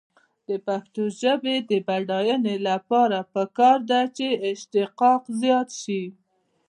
د پښتو ژبې د بډاینې لپاره پکار ده چې اشتقاق زیات شي.